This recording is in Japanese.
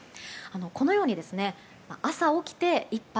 このように朝起きて１杯。